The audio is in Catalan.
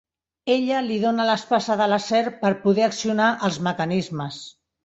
Ella li dóna l'espasa de la serp per poder accionar els mecanismes.